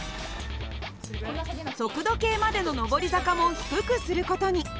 速度計までの上り坂も低くする事に。